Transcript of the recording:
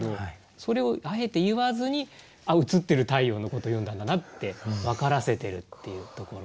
それをあえて言わずに「あっ映ってる太陽のこと詠んだんだな」って分からせてるっていうところ。